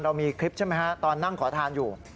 เรามีคลิปใช่ไหมฮะตอนนั่งขอทานอยู่